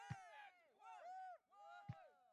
Bu tashkilot o‘sha tuzumga kerak edi.